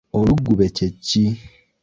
Oluggube kye ki?